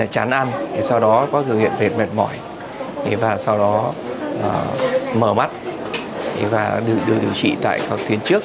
chán ăn có biểu hiện mệt mỏi mở mắt đưa điều trị tại các tuyến trước